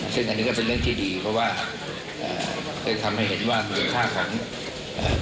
ซึ่งอันนี้ก็เป็นเรื่องที่ดีเพราะว่าเอ่อได้ทำให้เห็นว่ามูลค่าของเอ่อ